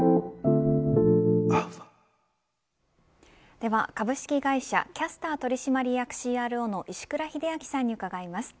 では株式会社キャスター取締役ＣＲＯの石倉秀明さんに伺います。